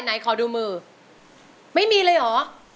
ไหนขอดูมือไม่มีเลยเหรอ